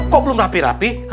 kok belum rapi rapi